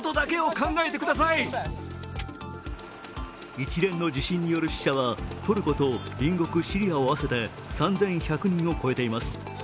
一連の地震による死者はトルコと隣国シリアを合わせて３１００人を超えています。